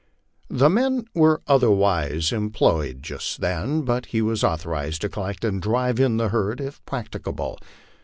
The men were otherwise employed just then, but he was authorized to collect and drive in the herd if practicable.